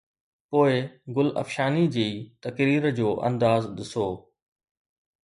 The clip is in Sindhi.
پوءِ گل افشاني جي تقرير جو انداز ڏسو